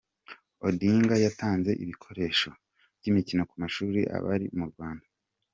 Odinga yatanze ibikoresho by’imikino ku mashuri abiri mu Rwanda